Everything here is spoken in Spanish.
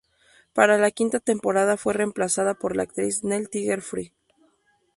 Para la quinta temporada fue reemplazada por la actriz Nell Tiger Free.